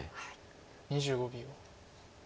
２５秒。